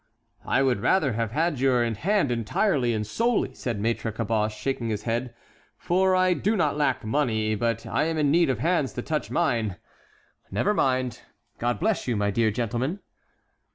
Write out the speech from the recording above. "I would rather have had your hand entirely and solely," said Maître Caboche, shaking his head, "for I do not lack money, but I am in need of hands to touch mine. Never mind. God bless you, my dear gentleman."